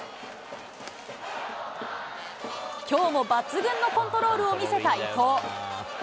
きょうも抜群のコントロールを見せた伊藤。